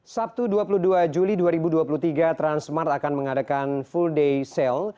sabtu dua puluh dua juli dua ribu dua puluh tiga transmart akan mengadakan full day sale